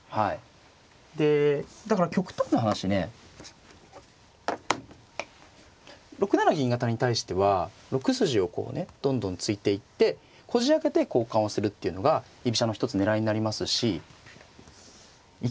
でだから極端な話ね６七銀型に対しては６筋をこうねどんどん突いていってこじあけて交換をするっていうのが居飛車の一つ狙いになりますしいきなりね